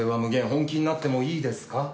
「本気になってもいいですか？」